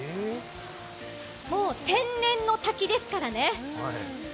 もう天然の滝ですからね。